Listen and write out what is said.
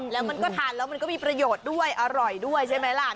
แล้วมันก็ทานแล้วมันก็มีประโยชน์ด้วยอร่อยด้วยใช่ไหมล่ะ